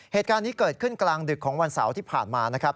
เหตุการณ์นี้เกิดขึ้นกลางดึกของวันเสาร์ที่ผ่านมานะครับ